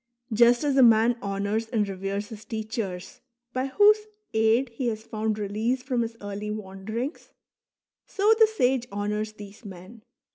Just as a man honours and reveres his teachers, by whose aid he has found release from his early wanderings, so the sage honours these men.